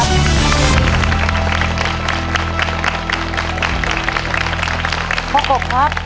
ต้นไม้ประจำจังหวัดระยองการครับ